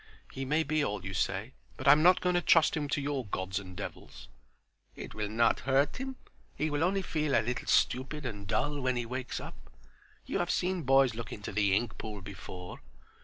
"He may be all you say, but I'm not going to trust him to your Gods and devils." "It will not hurt him. He will only feel a little stupid and dull when he wakes up. You have seen boys look into the ink pool before."